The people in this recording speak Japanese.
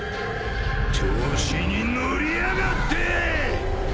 調子に乗りやがって！